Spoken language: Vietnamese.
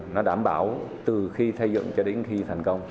nó đảm bảo từ khi xây dựng cho đến khi thành công